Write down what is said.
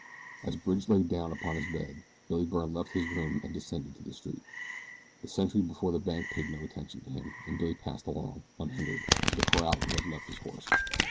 As Bridge lay down upon his bed Billy Byrne left his room and descended to the street. The sentry before the bank paid no attention to him, and Billy passed along, unhindered, to the corral where he had left his horse.